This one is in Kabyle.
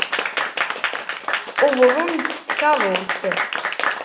Uwḍen-d s tkeṛṛust.